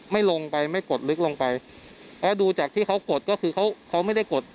ไม่ลงไปไม่กดลึกลงไปแล้วดูจากที่เขากดก็คือเขาเขาไม่ได้กด